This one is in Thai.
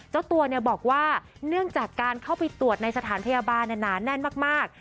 เจ้าตัวบอกว่าเนื่องจากการเข้าไปตรวจในสถานพยาบาลหนาแน่นมาก